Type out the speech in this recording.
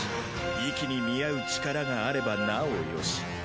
意気に見合う力があればなおよし。